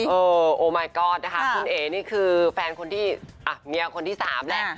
เออโอไมกอดนะคะคุณเอ๋นี่คือแฟนคนที่อ่ะเมียคนที่๓แหละ